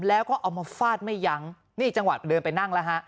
แล้วก็เอามาฟาดไม่ยั้ง